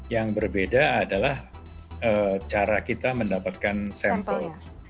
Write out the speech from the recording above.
yang berbeda adalah cara kita mendapatkan sampel